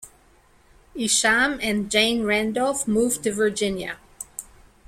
Isham and Jane Randolph moved to Virginia.